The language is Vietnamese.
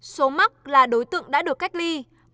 số mắc là đối tượng đã được cách ly